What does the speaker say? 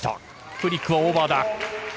フリックはオーバーだ。